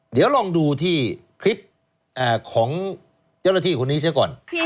เดี๋ยวลองดูที่คลิปของเจ้าหน้าที่คนนี้เสียก่อน